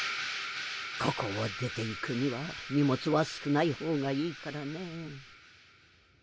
ここを出ていくには荷物は少ない方がいいからね。